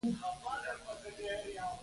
ګورنرجنرال خواشیني ښکاره کړه.